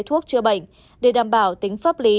thuốc chữa bệnh để đảm bảo tính pháp lý